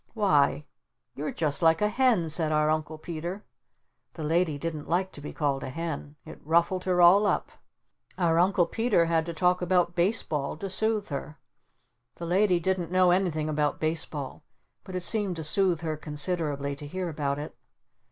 "Why you're just like a Hen," said our Uncle Peter. The Lady didn't like to be called a Hen. It ruffled her all up. Our Uncle Peter had to talk about Base Ball to soothe her. The Lady didn't know anything about Base Ball but it seemed to soothe her considerably to hear about it.